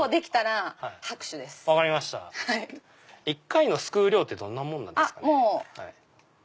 １回のすくう量ってどんなもんなんですかね？